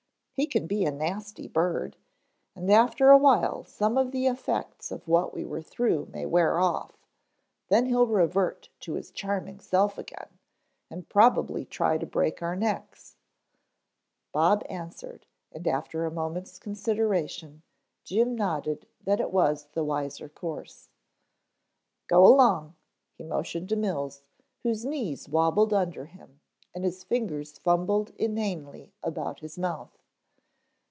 He can be a nasty bird and after a while some of the effects of what we were through may wear off, then he'll revert to his charming self again and probably try to break our necks," Bob answered, and after a moment's consideration, Jim nodded that it was the wiser course. "Go along," he motioned to Mills, whose knees wobbled under him and his fingers fumbled inanely about his mouth.